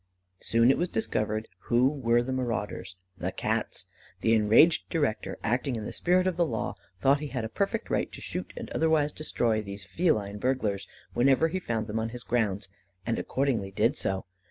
Soon it was discovered who were the marauders the Cats! The enraged director, acting in the spirit of the law, thought he had a perfect right to shoot and otherwise destroy these feline burglars, whenever he found them on his grounds, and accordingly did so.